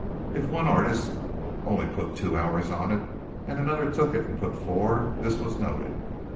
If one artist only put two hours on it and another took it and put four, this was noted.